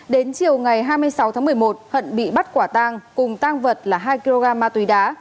đến chiều ngày hai mươi sáu tháng một mươi một hận bị bắt quả tang cùng tang vật là hai kg ma túy đá